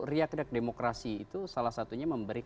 riak riak demokrasi itu salah satunya memberi